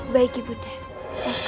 baik ibu nda baik ibu nda